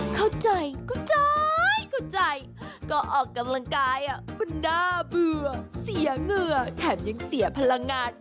เข้าใจเข้าใจเข้าใจก็ออกกำลังกายมันน่าเบื่อเสียเหงื่อแถมยังเสียพลังงาน